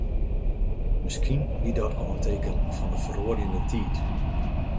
Miskien wie dat al in teken fan de feroarjende tiid.